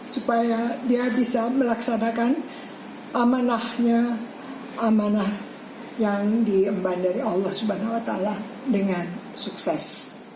supaya dia bisa melaksanakan amanahnya amanah yang diemban dari allah swt dengan sukses